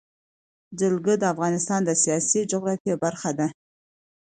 جلګه د افغانستان د سیاسي جغرافیه برخه ده.